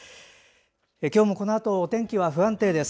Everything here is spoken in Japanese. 今日もこのあとお天気は不安定です。